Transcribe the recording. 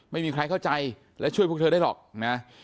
ไม่มีใครเข้าใจและช่วยพวกเธอได้หรอกนะ